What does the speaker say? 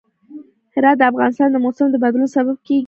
هرات د افغانستان د موسم د بدلون سبب کېږي.